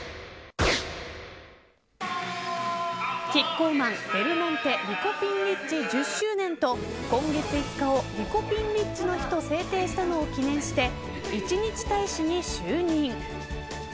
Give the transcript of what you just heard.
キッコーマン、デルモンテリコピンリッチ１０周年と今月５日をリコピンリッチの日と制定したのを記念して一日大使に就任。